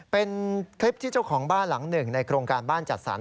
เป็นคลิปที่เจ้าของบ้านหลังหนึ่งในโครงการบ้านจัดสรร